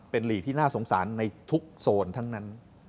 เป็นหลีกที่น่าสงสารในทุกโซนทั้งนั้น